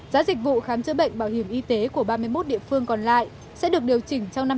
giá dịch vụ khám chữa bệnh bảo hiểm y tế của ba mươi một địa phương còn lại sẽ được điều chỉnh trong năm hai nghìn hai mươi